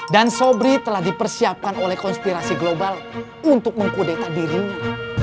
dan sobri telah dipersiapkan oleh konspirasi global untuk mengkudeta dirinya